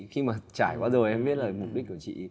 khi mà trải qua rồi em biết là mục đích của chị